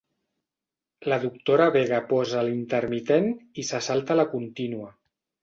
La doctora Vega posa l'intermitent i se salta la contínua.